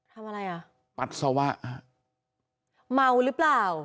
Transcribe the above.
ทำอะไรอ่ะปัสสาวะฮะเมาหรือเปล่า